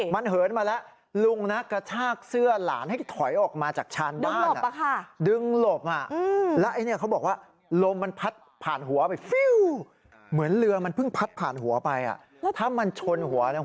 มันเหินมาแล้วลุงนะกระชากเสื้อหลานให้ถอยออกมาจากชานบ้าน